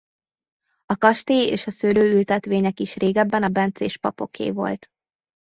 A kastély és a szőlőültetvények is régebben a bencés papoké volt.